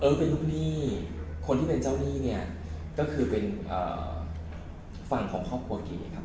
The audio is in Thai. เป็นลูกหนี้คนที่เป็นเจ้าหนี้เนี่ยก็คือเป็นฝั่งของครอบครัวกิครับ